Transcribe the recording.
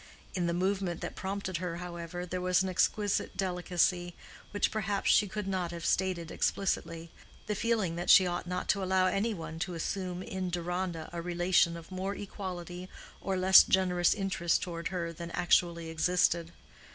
In the movement that prompted her, however, there was an exquisite delicacy, which perhaps she could not have stated explicitly—the feeling that she ought not to allow any one to assume in Deronda a relation of more equality or less generous interest toward her than actually existed.